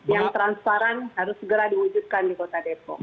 yang transparan harus segera diwujudkan di kota depok